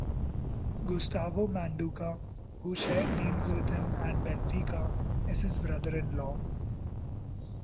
Gustavo Manduca, who shared teams with him at Benfica, is his brother-in-law.